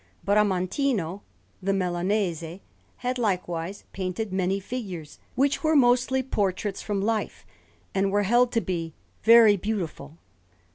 Bramantino, the Milanese, had likewise painted many figures, which were mostly portraits from life, and were held to be very beautiful.